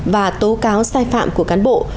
và tố cáo sai phạm của cán bộ